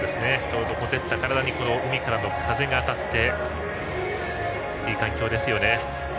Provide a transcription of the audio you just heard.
ほてった体に海からの風が当たっていい環境ですよね。